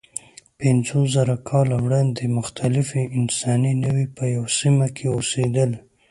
پنځوسزره کاله وړاندې مختلفې انساني نوعې په یوه سیمه کې اوسېدلې.